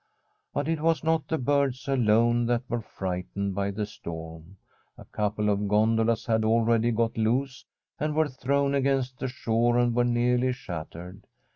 But it was not the birds alone that were fright ened by the storm. A couple of gondolas had al ready got loose, and were thrown against the shore, and were nearly shattered.